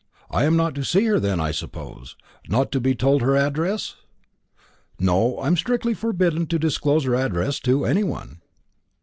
I am not to see her then, I suppose; not to be told her address?" "No; I am strictly forbidden to disclose her address to any one."